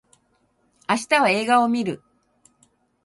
明日は映画を見る